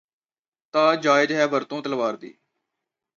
ਤਾਂ ਜਾਇਜ਼ ਹੈ ਵਰਤੋਂ ਤਲਵਾਰ ਦੀ